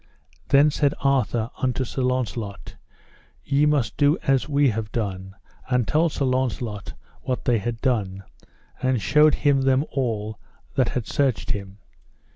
Then said Arthur unto Sir Launcelot: Ye must do as we have done; and told Sir Launcelot what they had done, and showed him them all, that had searched him.